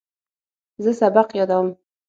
زه سبق یادوم.